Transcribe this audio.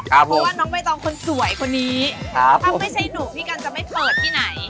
เพราะว่าน้องใบตองคนสวยคนนี้ถ้าไม่ใช่หนุ่มพี่กันจะไม่เปิดที่ไหน